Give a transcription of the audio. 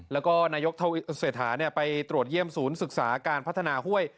แล้วก็นายกเศรษฐาไปตรวจเยี่ยมศูนย์ศึกษาการพัฒนาห้วย